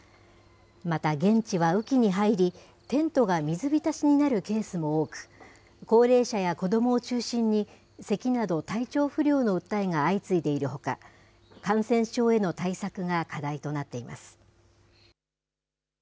また現地は雨季に入り、テントが水浸しになるケースも多く、高齢者や子どもを中心にせきなど体調不良の訴えが相次いでいるほか、感染症への対策が課題となっています。